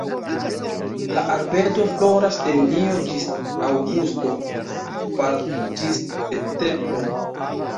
La arbedo floras de junio ĝis aŭgusto, part ĝis septembro.